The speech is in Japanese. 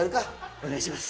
お願いします！